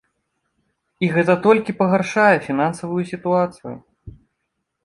І гэта толькі пагаршае фінансавую сітуацыю.